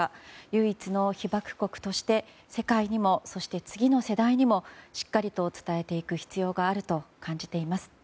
唯一の被爆国として世界にも、そして次の世代にもしっかりと伝えていく必要があると感じています。